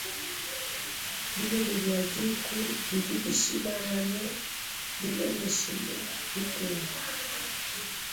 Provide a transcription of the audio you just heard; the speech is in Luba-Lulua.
Bilele bia dîku bidi bishilangane bilondeshile ditunga.